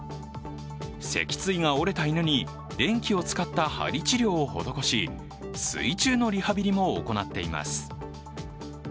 脊椎が折れた犬に電気を使った針治療を施し、水中のリハビリも行っています。